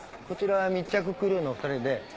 こちら密着クルーの２人で。